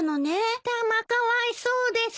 タマかわいそうです。